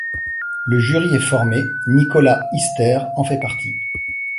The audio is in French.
Le jury est formé, Nicholas Easter en fait partie.